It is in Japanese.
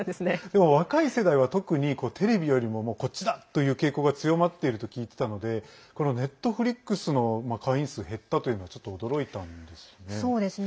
でも、若い世代は特にテレビよりもこっちだという傾向が強まっていると聞いてたのでこのネットフリックスの会員数減ったというのはちょっと驚いたんですよね。